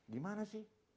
di mana sih